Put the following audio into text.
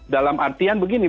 dalam artian begini